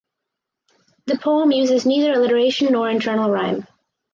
The poem uses neither alliteration nor internal rhyme.